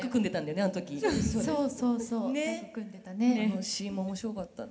あのシーンも面白かったな。